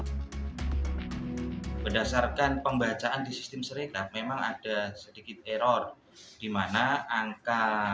penambahan suara terhadap pasangan calon dua di kpu purbalingga